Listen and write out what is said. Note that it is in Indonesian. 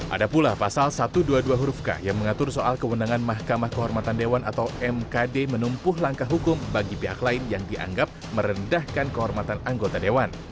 ada pula pasal satu ratus dua puluh dua huruf k yang mengatur soal kewenangan mahkamah kehormatan dewan atau mkd menumpuh langkah hukum bagi pihak lain yang dianggap merendahkan kehormatan anggota dewan